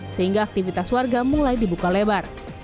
sehingga aktivitas warga mulai dibuka lebar